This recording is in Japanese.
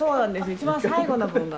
一番最後の部分が。